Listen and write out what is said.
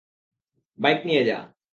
Bike নিয়ে যা।